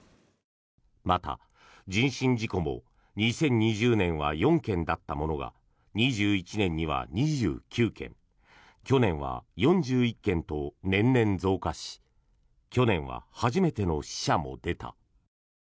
また、人身事故も２０２０年は４件だったものが２１年には２９件去年は４１件と年々増加し去年は初めての死者も出た。